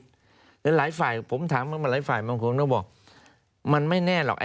ตั้งแต่หลายฝ่ายบางคนเขาบอก